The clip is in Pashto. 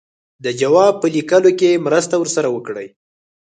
د جواب په لیکلو کې مرسته ورسره وکړي.